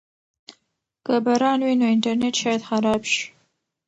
که باران وي نو انټرنیټ شاید خراب شي.